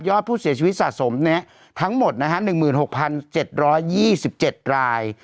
ยอดผู้เสียชีวิตสะสมเนี่ยทั้งหมดนะฮะ๑๖๗๒๗ราย